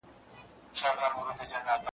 هره ورځ به د رمی په ځان بلا وي ,